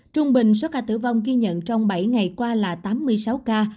trung bình số ca tử vong ghi nhận trong bảy ngày qua là tám mươi sáu ca